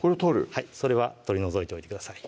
はいそれは取り除いておいてください